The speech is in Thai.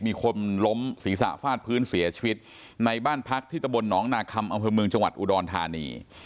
มีคนล้มศีรษะฟาดพื้นเสียชีวิตในบ้านพักที่ตะบลน้องนาคมอคมอุดรธานี